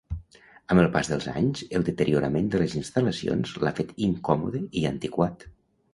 Amb el pas dels anys el deteriorament de les instal·lacions l'ha fet incòmode i antiquat.